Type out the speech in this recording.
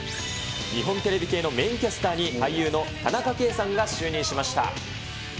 日本テレビ系のメインキャスターに俳優の田中圭さんが就任しました。